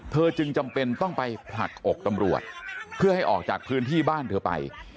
เธอจึงจำเป็นต้องไปผลักอกตำรวจเพื่อให้ออกจากพื้นที่บ้านเธอไป